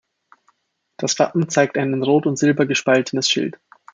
Das Wappen zeigt ein in Rot und Silber gespaltenes Schild.